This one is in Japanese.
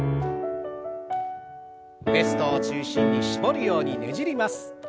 ウエストを中心に絞るようにねじります。